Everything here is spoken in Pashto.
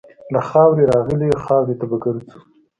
له خاورې راغلي یو، خاورې ته به ګرځو.